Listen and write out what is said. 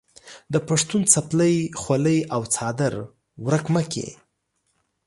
د پښتون څپلۍ، خولۍ او څادر ورک مه کې.